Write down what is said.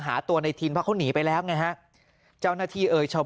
หาตัวในทินเพราะเขาหนีไปแล้วไงฮะเจ้าหน้าที่เอ่ยชาว